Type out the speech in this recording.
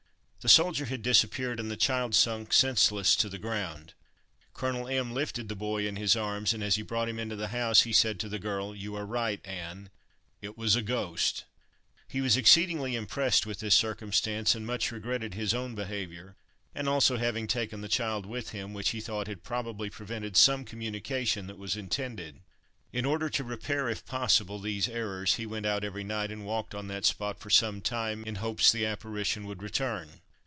The soldier had disappeared, and the child sunk senseless to the ground. Colonel M—— lifted the boy in his arms, and as he brought him into the house, he said to the girl, "You are right, Ann; it was a ghost!" He was exceedingly impressed with this circumstance, and much regretted his own behavior, and also the having taken the child with him, which he thought had probably prevented some communication that was intended. In order to repair, if possible, these errors, he went out every night, and walked on that spot for some time, in hopes the apparition would return.